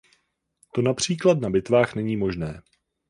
To například na bitvách není možné.